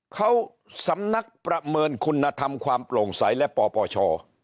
เขาสำนักประเมินคุณธรรมความโปร่งใสและปปช